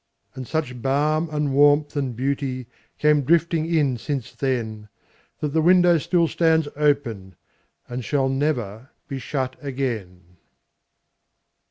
And such balm and warmth and beautyCame drifting in since then, That the window still stands openAnd shall never be shut again.